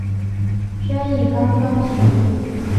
生意刚刚起步